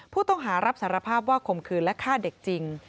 ผู้ต้องหารับสารภาพว่าคมคืนและฆ่าเด็กจริง